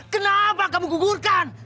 kenapa kamu gugurkan